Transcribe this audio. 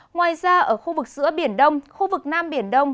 ngoài ra ở khu vực giữa biển đông khu vực nam biển đông